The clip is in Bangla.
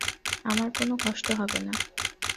আমার কোনো কষ্ট হবে না!